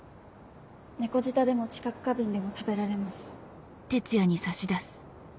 猫舌でも知覚過敏でも食べられます。